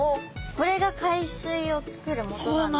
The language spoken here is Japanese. これが海水をつくるもとなんですね。